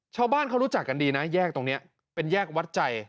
ชาวบ้านเขารู้จักกันดีนะแยกตรงนี้เป็นแยกวัดใจ